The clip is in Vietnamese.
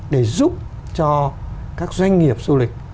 để giúp cho các doanh nghiệp du lịch